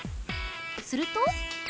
すると。